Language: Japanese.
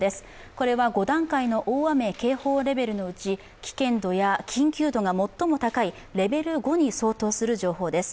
これは５段階の大雨警報レベルのうち危険度や緊急度が最も高いレベル５に相当する情報です。